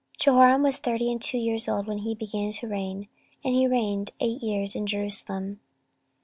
14:021:005 Jehoram was thirty and two years old when he began to reign, and he reigned eight years in Jerusalem.